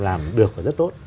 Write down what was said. làm được và rất tốt